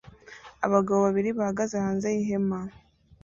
Abagabo babiri bahagaze hanze y'ihema